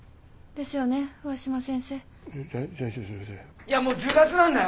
いやもう１０月なんだよ？